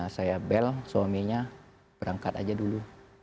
saya bel suaminya berangkat aja dulu